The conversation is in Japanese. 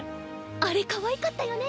あれかわいかったよね。